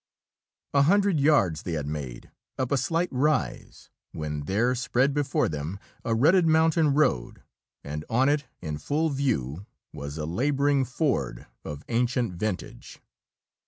A hundred yards they had made, up a slight rise, when there spread before them a rutted mountain road, and on it, in full view, was a laboring Ford of ancient vintage.